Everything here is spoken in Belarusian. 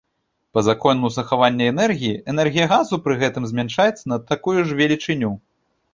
Па закону захавання энергіі, энергія газу пры гэтым змяншаецца на такую ж велічыню.